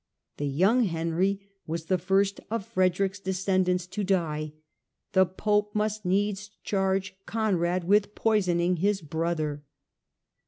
The young Henry was the first of Frederick's de scendants to die : the Pope must needs charge Conrad with poisoning his brother.